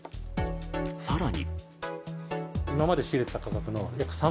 更に。